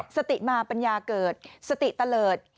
สติมาปัญญาเกิดสติตะเลิศ